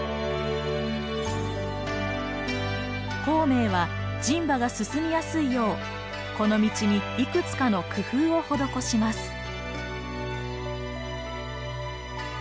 孔明は人馬が進みやすいようこの道にいくつかの工夫を施します。